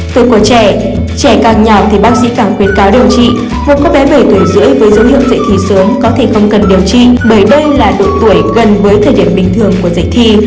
tuổi của trẻ trẻ càng nhỏ thì bác sĩ càng khuyến cáo điều trị buộc các bé bảy tuổi rưỡi với dấu hiệu dạy thì sớm có thể không cần điều trị bởi đây là độ tuổi gần với thời điểm bình thường của dạy thi